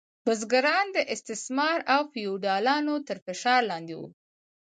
بزګران د استثمار او فیوډالانو تر فشار لاندې وو.